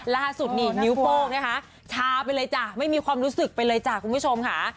ล่าสุดนี่นิ้วโป้งนะคะชาไปเลยจ้ะไม่มีความรู้สึกไปเลยจ้ะคุณผู้ชมค่ะ